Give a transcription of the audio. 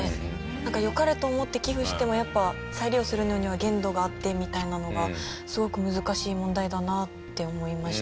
良かれと思って寄付してもやっぱ再利用するのには限度があってみたいなのがすごく難しい問題だなって思いました。